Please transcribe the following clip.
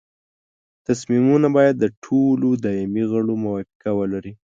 تصمیمونه باید د ټولو دایمي غړو موافقه ولري.